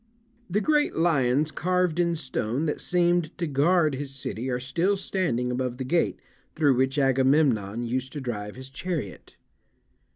The great lions carved in stone that seemed to guard his city are still standing above the gate through which Agamemnon used to drive his chariot.